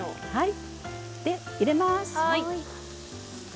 で入れます！